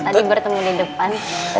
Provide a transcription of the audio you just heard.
tadi bertemu di depan